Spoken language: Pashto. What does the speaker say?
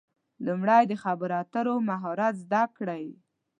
لومړی د خبرو اترو مهارت زده کړئ.